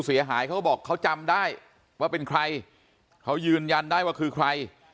เขาก็บอกเขาจำได้ว่าเป็นใครเขายืนยันได้ว่าคือใคร